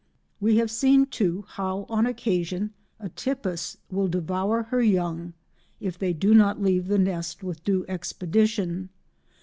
We have seen, too, how, on occasion, Atypus will devour her young if they do not leave the nest with due expedition.